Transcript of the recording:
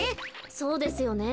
そうですよね。